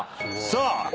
さあ。